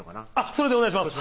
それでお願いします